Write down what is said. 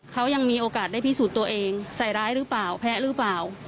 เขายังมีโอกาสได้พิสูจน์ตัวเองใส่ร้ายหรือเปล่าแพ้หรือเปล่า